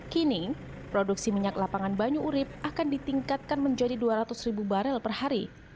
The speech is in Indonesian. kini produksi minyak lapangan banyu urip akan ditingkatkan menjadi dua ratus ribu barel per hari